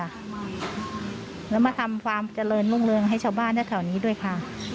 แล้วมาทำความเจริญรุ่งเรืองให้ชาวบ้านแถวนี้ด้วยค่ะ